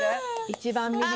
一番右に。